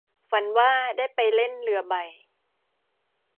ฝันว่าได้ไปเล่นเรือใบ